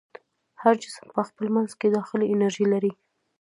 هر جسم په خپل منځ کې داخلي انرژي لري.